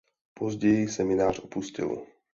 Později seminář opustil.